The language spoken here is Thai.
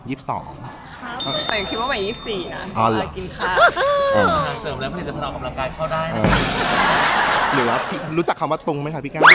แต่คิดว่ามา๒๔นะ